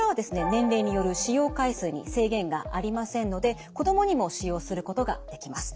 年齢による使用回数に制限がありませんので子どもにも使用することができます。